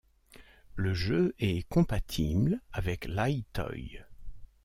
Le jeu est compatible avec l'EyeToy.